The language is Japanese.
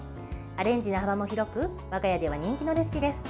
アレンジの幅も広く我が家では人気のレシピです。